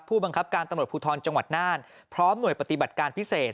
ผู้บังคับการตำรวจภูทรจังหวัดน่านพร้อมหน่วยปฏิบัติการพิเศษ